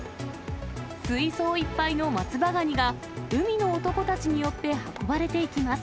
水槽いっぱいの松葉ガニが、海の男たちによって運ばれていきます。